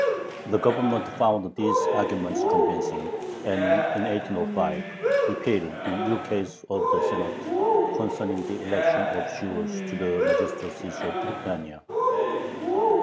The Government found these arguments convincing, and in 1805 repealed the ukase of the Senate concerning the election of Jews to the magistracies of Lithuania.